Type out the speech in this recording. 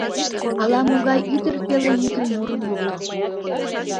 Ала-могай ӱдыр пеле йӱкын мурым лукто.